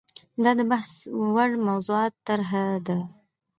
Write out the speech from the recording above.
دا د بحث وړ موضوعاتو طرحه ده.